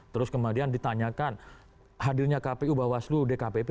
terus kemudian ditanyakan hadirnya kpu bawaslu dkpp